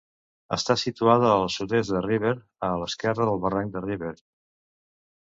Està situada al sud-est de Rivert, a l'esquerra del barranc de Rivert.